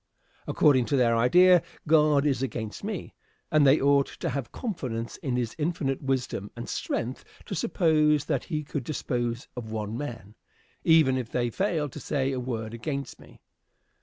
According to their idea, God is against me, and they ought to have confidence in this infinite wisdom and strength to suppose that he could dispose of one man, even if they failed to say a word against me.